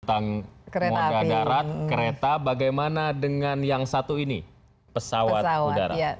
tentang moda darat kereta bagaimana dengan yang satu ini pesawat udara